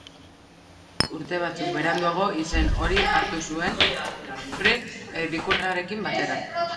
Urte batzuk beranduago, izen hori hartu zuen, Fr ikurrarekin batera.